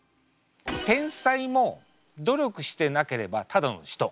天才も努力してなければただの人。